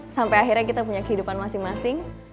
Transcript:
sampai akhirnya kita punya kehidupan masing masing